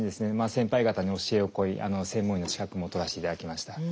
先輩方に教えを請い専門医の資格も取らせていただきました。